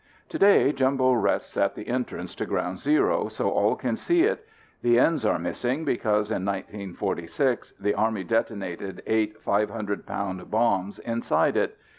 Today Jumbo rests at the entrance to ground zero so all can see it. The ends are missing because, in 1946, the Army detonated eight 500 pound bombs inside it.